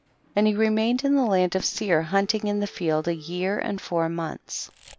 21. And he remained in the land of Seir hunting in the field a year and four months. 22.